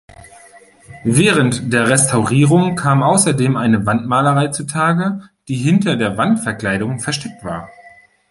Während der Restaurierung kam außerdem eine Wandmalerei zutage, die hinter der Wandverkleidung versteckt war.